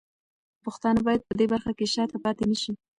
پښتانه باید په دې برخه کې شاته پاتې نه شي.